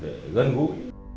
để gân gũi